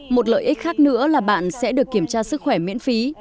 một lợi ích khác nữa là bạn sẽ được kiểm tra sức khỏe miễn phí